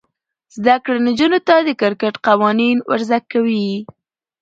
زده کړه نجونو ته د کرکټ قوانین ور زده کوي.